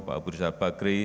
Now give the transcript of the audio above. pak buri sabagri